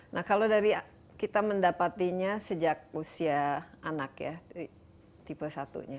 nah kalau dari kita mendapatinya sejak usia anak ya tipe satunya